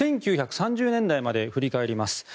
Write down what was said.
１９３０年代まで振り返りましょう。